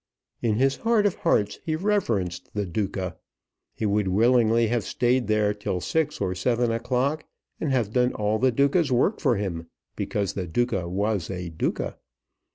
In his heart of hearts he reverenced "The Duca." He would willingly have stayed there till six or seven o'clock and have done all the Duca's work for him, because the Duca was a Duca.